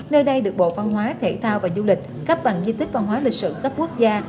nơi đây được bộ văn hóa thể thao và du lịch cấp bằng di tích văn hóa lịch sử cấp quốc gia